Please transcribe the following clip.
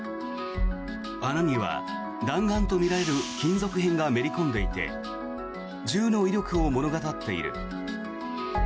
穴には弾丸とみられる金属片がめり込んでいて銃の威力を物語っている。